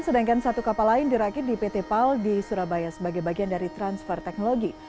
sedangkan satu kapal lain dirakit di pt pal di surabaya sebagai bagian dari transfer teknologi